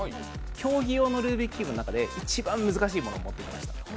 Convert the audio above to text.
競技用のルービックキューブの中で一番難しいものを持ってきました。